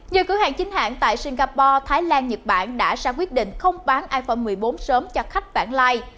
nhiều cửa hàng chính hãng tại singapore thái lan nhật bản đã ra quyết định không bán iphone một mươi bốn sớm cho khách bản li